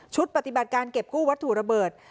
ปฏิบัติการเก็บกู้วัตถุระเบิด